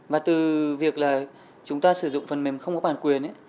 và từ việc là chúng ta sử dụng phần mềm không có bản quyền